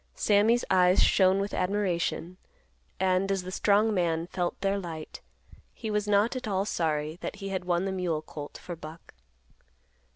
Sammy's eyes shone with admiration, and, as the strong man felt their light, he was not at all sorry that he had won the mule colt for Buck.